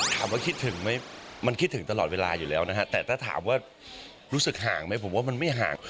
ถามว่าคิดถึงไหมมันคิดถึงตลอดเวลาอยู่แล้วนะฮะแต่ถ้าถามว่ารู้สึกห่างไหมผมว่ามันไม่ห่าง